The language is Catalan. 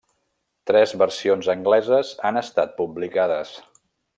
Tres versions angleses han estat publicades.